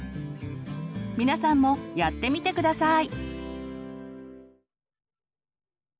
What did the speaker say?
皆さんもやってみて下さい！